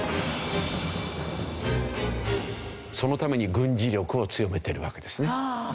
そのために軍事力を強めてるわけですね。